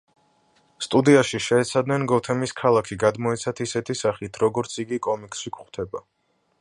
სტუდიაში შეეცადნენ გოთემის ქალაქი გადმოეცათ ისეთი სახით, როგორიც იგი კომიქსში გვხვდება.